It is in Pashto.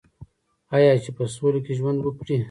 آیا چې په سوله کې ژوند وکړي؟